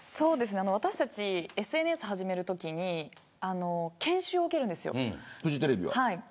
私たちはＳＮＳを始めるときに研修を受けるんです。